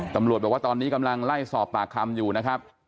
ตำรวจบอกว่าตอนนี้กำลังไล่สอบปากคำอยู่นะครับ